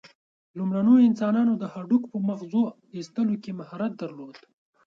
لومړنیو انسانانو د هډوکو په مغزو ایستلو کې مهارت درلود.